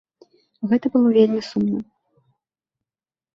Гэта было вельмі сумна.